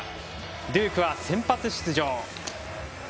デュークは先発出場。